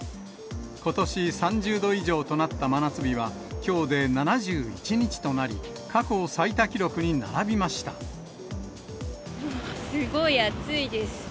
ことし３０度以上となった真夏日はきょうで７１日となり、過去最すごい暑いです。